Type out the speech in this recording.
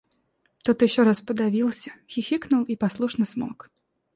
Тот еще раз подавился, хихикнул и послушно смолк.